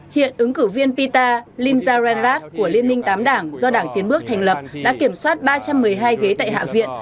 hiện ứng cử viên pita limzarenrad của liên minh tám đảng do đảng tiến bước thành lập đã kiểm soát ba trăm một mươi hai ghế tại hạ viện